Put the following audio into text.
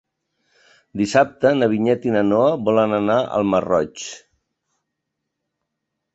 Dissabte na Vinyet i na Noa volen anar al Masroig.